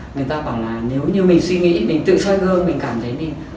người ta bảo là nếu như mình suy nghĩ mình tự soi gương mình cảm thấy mình